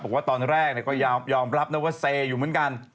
บอกว่าตอนแรกก็ยอมรับนะว่าเซอยู่เหมือนกัน